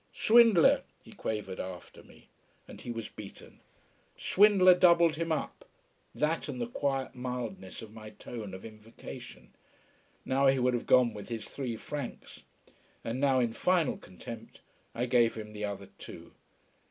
"Swindler!" he quavered after me. And he was beaten. "Swindler" doubled him up: that and the quiet mildness of my tone of invocation. Now he would have gone with his three francs. And now, in final contempt, I gave him the other two.